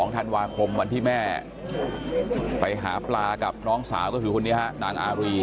ธันวาคมวันที่แม่ไปหาปลากับน้องสาวก็คือคนนี้ฮะนางอารี